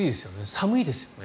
寒いですよね。